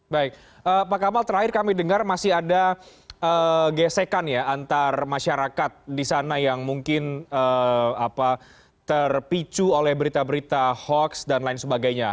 baik pak kamal terakhir kami dengar masih ada gesekan ya antar masyarakat di sana yang mungkin terpicu oleh berita berita hoax dan lain sebagainya